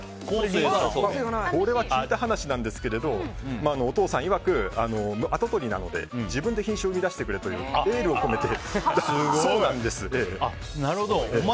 これは聞いた話なんですがお父さんいわく、跡取りなので自分で品種を生み出してくれというエールを込めて。